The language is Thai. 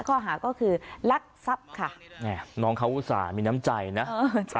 ข้อหาก็คือลักทรัพย์ค่ะเนี่ยน้องเขาอุตส่าห์มีน้ำใจนะเออ